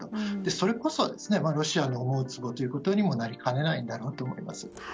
それこそロシアの思うつぼにもなりかねないだろうと思います。